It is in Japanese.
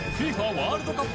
ワールドカップ